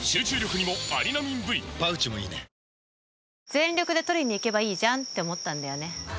全力で取りにいけばいいじゃんって思ったんだよね